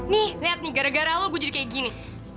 nih lihat nih gara gara lo gue jadi kayak gini